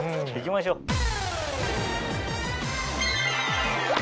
行きましょう。